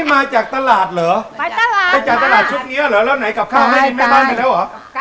แม่เค้าซื้อมาแล้ว